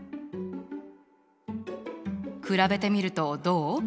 比べてみるとどう？